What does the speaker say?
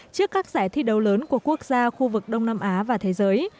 trước các giải thi đấu lớn của quốc gia khu vực đông nam á và thế giới